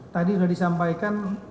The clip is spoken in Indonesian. tadi sudah disampaikan